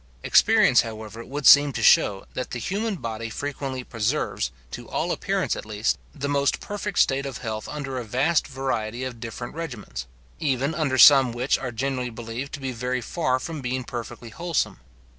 Experience, however, would seem to shew, that the human body frequently preserves, to all appearance at least, the most perfect state of health under a vast variety of different regimens; even under some which are generally believed to be very far from being perfectly wholesome.